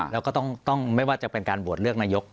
แล้วก็ต้องไม่ว่าจะเป็นการโหวตเลือกนายก